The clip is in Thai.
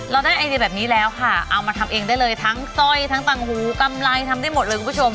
ได้ไอเดียแบบนี้แล้วค่ะเอามาทำเองได้เลยทั้งสร้อยทั้งต่างหูกำไรทำได้หมดเลยคุณผู้ชม